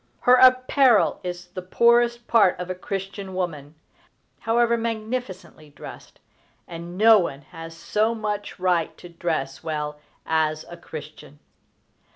Her apparel is the poorest part of a Christian woman, however magnificently dressed, and no one has so much right to dress well as a Christian.